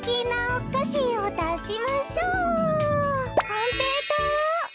こんぺいとう！